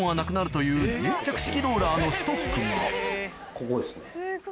ここですね。